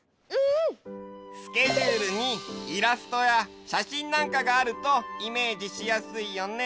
スケジュールにイラストやしゃしんなんかがあるとイメージしやすいよね。